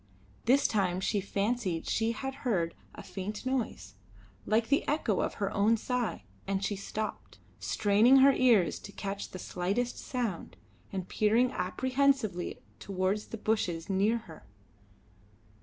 This time she fancied she had heard a faint noise, like the echo of her own sigh, and she stopped, straining her ears to catch the slightest sound, and peering apprehensively towards the bushes near her.